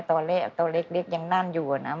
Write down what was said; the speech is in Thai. ตอนเล็กยังนั่นอยู่นะ